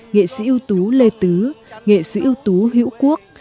nghệ sĩ ưu tú lê tứ nghệ sĩ ưu tú hữu quốc